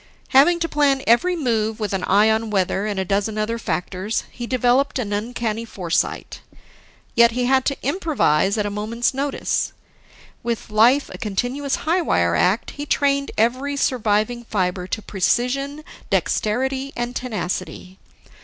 Having to plan every move with an eye on weather and a dozen other factors, he developed in uncanny foresight. Yet he had to improvise at a moment's notice. With life a continuous high wire act, he trained every surviving fiber to precision, dexterity, and tenacity.